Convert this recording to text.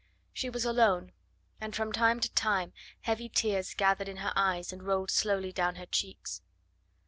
She was alone, and from time to time heavy tears gathered in her eyes and rolled slowly down her cheeks.